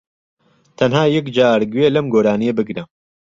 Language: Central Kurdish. تەنھا یەکجار گوێ لەم گۆرانیە بگرە